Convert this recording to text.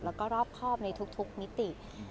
แล้วก็รอบครอบในทุกมิติ